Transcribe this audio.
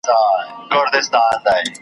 یوه نغمه ترې پۀ ګودر کې پرېږده